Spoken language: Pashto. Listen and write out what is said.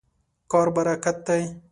کار برکت دی.